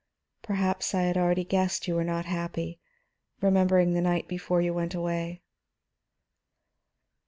Perhaps I had already guessed you were not happy, remembering the night before you went away."